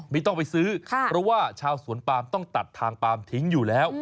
ไม่ต้องไปซื้อเพราะว่าชาวสวนปามต้องตัดทางปาล์มทิ้งอยู่แล้ว